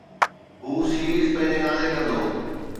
هو سيريز پنهنجي نالي ڪندو.